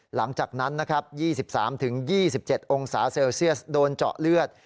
หลังจากนั้นนะครับ๒๓๒๗องศาเซลเซียสโดนเจาะเลือด